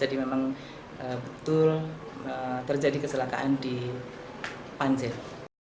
jadi memang betul terjadi kecelakaan di panjir